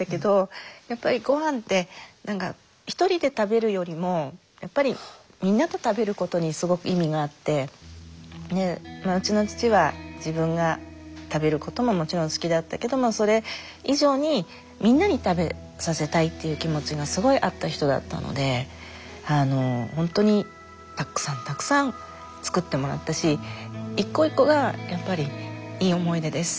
やっぱり御飯って１人で食べるよりもみんなと食べることにすごく意味があってうちの父は自分が食べることももちろん好きだったけどもそれ以上にみんなに食べさせたいっていう気持ちがすごいあった人だったのでほんとにたくさんたくさん作ってもらったし１個１個がやっぱりいい思い出です。